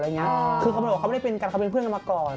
ก็แบบมันว่าเขาไม่เป็นกันเขาเป็นเพื่อนกันก่อน